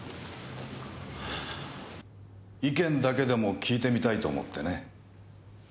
意見だけでも聞いてみたいと思ってね。